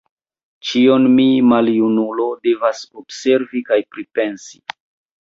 Ĉion mi, maljunulo, devas observi kaj pripensi!